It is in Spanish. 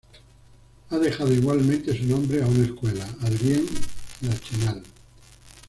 Ha dejado igualmente su nombre a una escuela: Adrien Lachenal.